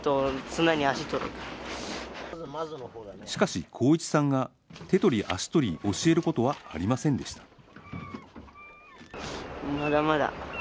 しかし幸一さんが手取り足取り教えることはありませんでした